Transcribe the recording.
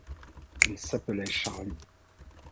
Il s'appelait Charlie.